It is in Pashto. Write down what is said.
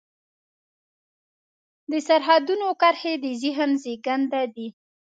د سرحدونو کرښې د ذهن زېږنده دي.